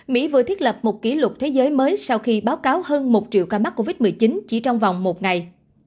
tổng cộng đã thiết lập một kỷ lục thế giới mới sau khi báo cáo hơn một triệu ca mắc covid một mươi chín chỉ trong vòng một ngày